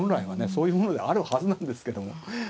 そういうものであるはずなんですけども。